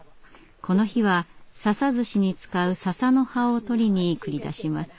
この日は笹ずしに使う笹の葉を採りに繰り出します。